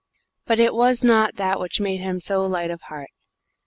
But it was not that which made him so light of heart.